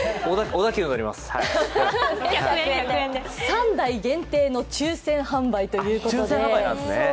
３台限定の抽選販売ということで。